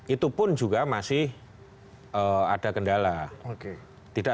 itu pun juga masih ada kendala